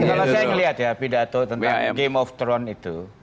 kalau saya melihat ya pidato tentang game of throne itu